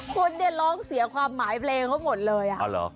คนเนี่ยร้องเสียความหมายเพลงเขาหมดเลยอ่ะ